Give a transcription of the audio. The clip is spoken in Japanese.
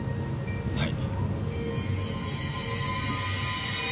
はい。